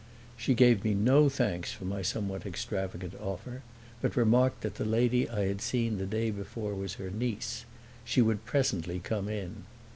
She gave me no thanks for my somewhat extravagant offer but remarked that the lady I had seen the day before was her niece; she would presently come in.